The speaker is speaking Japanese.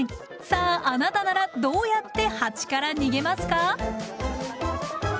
さああなたならどうやってハチから逃げますか？